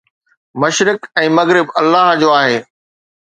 مشرق ۽ مغرب الله جو آهي.